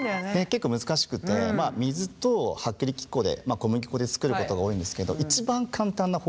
結構難しくて水と薄力粉でまあ小麦粉で作ることが多いんですけど一番簡単な方法は。